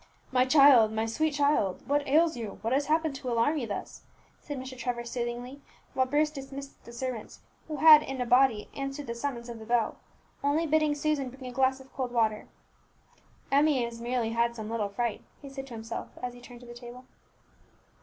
"My child my sweet child what ails you? what has happened to alarm you thus?" said Mr. Trevor soothingly, while Bruce dismissed the servants, who had, in a body, answered the summons of the bell, only bidding Susan bring a glass of cold water. "Emmie has merely had some little fright," he said to himself, as he returned to the table.